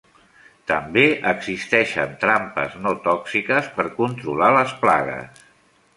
També existeixen trampes no tòxiques per controlar les plagues.